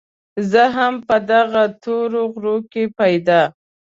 زه هم په دغه تورو غرو کې پيدا